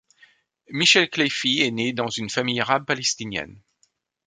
Michel Khleifi est né dans une famille arabe palestinenne.